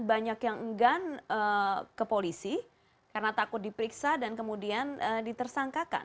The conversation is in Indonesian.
banyak yang enggan ke polisi karena takut diperiksa dan kemudian ditersangkakan